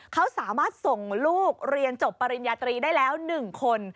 เขาสามารถส่งลูกเรียนจบปริญญาตรีได้แล้ว๑คน